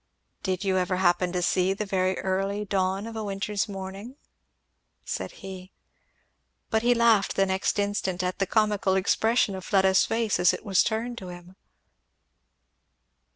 "Did you ever happen to see the very early dawn of a winter's morning?" said he. But he laughed the next instant at the comical expression of Fleda's face as it was turned to him.